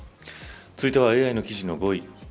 続いてはＡＩの記事の５位。